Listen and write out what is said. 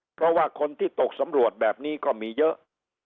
เพราะว่าคนที่ตกสำรวจแบบนี้ก็มีเยอะ